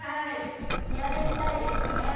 平べったいですよね。